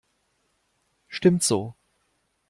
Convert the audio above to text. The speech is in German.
Stimmt so.